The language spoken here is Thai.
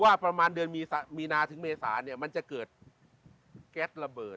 ประมาณเดือนมีนาถึงเมษาเนี่ยมันจะเกิดแก๊สระเบิด